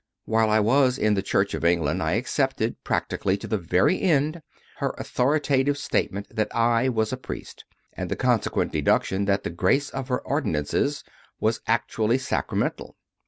While I was in the Church of England I accepted, practically to the very end, her authoritative state ment that I was a priest, and the consequent deduc tion that the grace of her ordinances was actually sacramental.